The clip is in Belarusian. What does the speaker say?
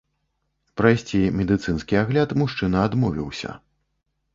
Прайсці медыцынскі агляд мужчына адмовіўся.